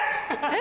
え？